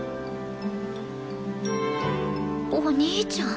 お兄ちゃん！？